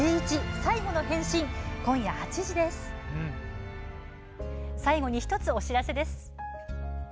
最後に１つお知らせです。